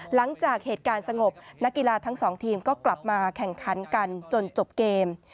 หลังจากเหตุการณ์สงบนักกีฬาทั้งสองทีมก็กลับมาแข่งขันกันจนจบเกม